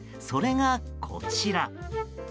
それが、こちら。